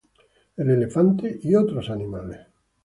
El Elefante y otros Animales